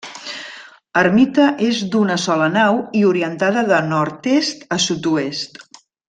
Ermita és d'una sola nau i orientada de nord-est a sud-oest.